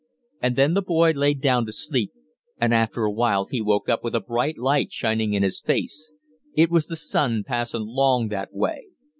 And then the boy laid down to sleep, and after a while he woke up with a bright light shinin' in his face it was the sun passin' 'long that way.